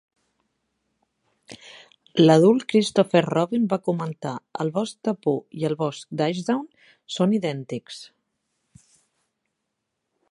L'adult Christopher Robin va comentar: "El bosc de Pooh i el bosc d'Ashdown són idèntics".